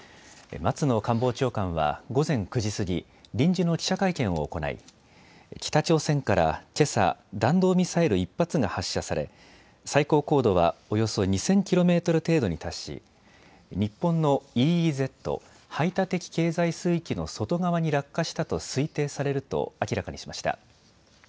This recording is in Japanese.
松野官房長官は午前９時過ぎ臨時の記者会見を行い北朝鮮からけさ、弾道ミサイル１発が発射され最高高度はおよそ２０００ｋｍ程度に達し日本のＥＥＺ・排他的経済水域の外側に落下したと推定されると明らかにしました。